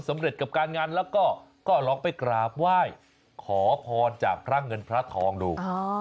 กับการงานแล้วก็ลองไปกราบไหว้ขอพรจากพระเงินพระทองดู